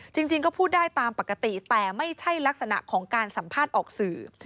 จริงก็พูดได้ตามปกติแต่ไม่ใช่ลักษณะของการสัมภาษณ์ออกสื่อ